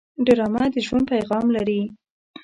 ډرامه د ژوند پیغام لري